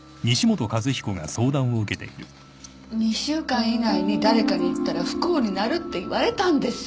２週間以内に誰かに言ったら不幸になるって言われたんです。